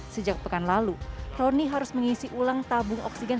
sejak pekan lalu roni harus mengisi ulang tabung oksigen